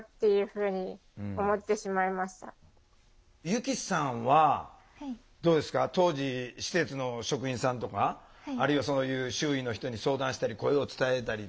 ゆきさんはどうですか当時施設の職員さんとかあるいはそういう周囲の人に相談したり声を伝えたりとかしたことあります？